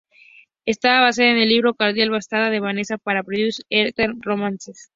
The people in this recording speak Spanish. Está basada en el libro "Cardinal Bastards" de Vanessa para Precious Hearts Romances.